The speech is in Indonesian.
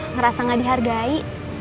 ngerasa gak dihargai